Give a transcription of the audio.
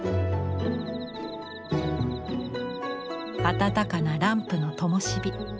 温かなランプのともし火。